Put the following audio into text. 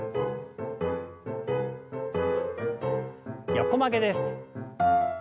横曲げです。